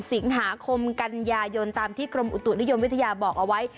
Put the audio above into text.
สิงหาคมกันยายนตามที่กรมอุตุนิยมวิทยาบอกเอาไว้